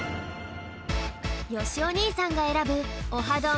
よしお兄さんがえらぶオハどん！